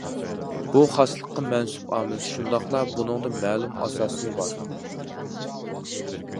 بۇ خاسلىققا مەنسۇپ ئامىل، شۇنداقلا، بۇنىڭدا مەلۇم ئاساسىمۇ بار.